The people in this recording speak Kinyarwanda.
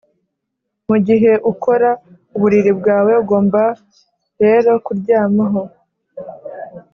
mugihe ukora uburiri bwawe, ugomba rero kuryamaho